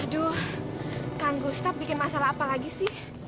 aduh kakak gustaf bikin masalah apa lagi sih